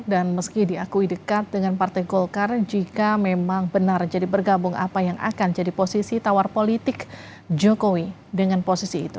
dan meski diakui dekat dengan partai golkar jika memang benar jadi bergabung apa yang akan jadi posisi tawar politik jokowi dengan posisi itu